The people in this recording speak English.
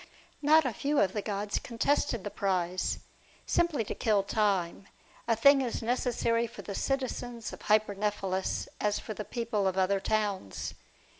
Not a few of the gods contested the prize, simply to kill time, a thing as necessary for the citizens of Hyperne phelus, as for the people of other towns.